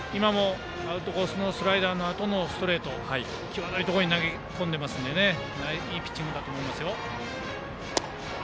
アウトコースのスライダーのあとのストレートを際どいところに投げ込んでいますのでいいピッチングだと思いますよ。